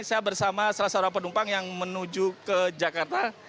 saya bersama salah seorang penumpang yang menuju ke jakarta